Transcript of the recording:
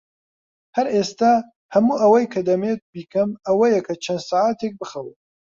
هەر ئێستا، هەموو ئەوەی کە دەمەوێت بیکەم ئەوەیە کە چەند سەعاتێک بخەوم.